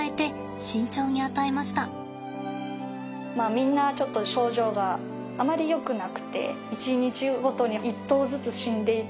みんなちょっと症状があまりよくなくて１日ごとに１頭ずつ死んでいってしまうというような。